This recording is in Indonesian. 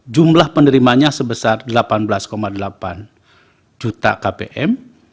jumlah penerimanya sebesar delapan belas delapan juta kpm